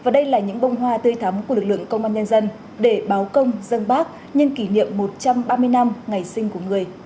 đây là những bông hoa tươi thắm của lực lượng công an nhân dân để báo công dân bác nhân kỷ niệm một trăm ba mươi năm ngày sinh của người